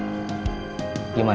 tapi gue tidak bisa